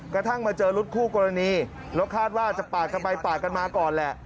กระทั่งมาเจอรถคู่กรณีแล้วคาดว่าจะปาดกันไปปาดกันมาก่อนแหละ